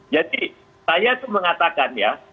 jadi saya tuh mengatakan ya